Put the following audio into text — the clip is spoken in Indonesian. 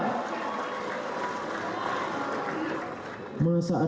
sifat sifat wira usahawan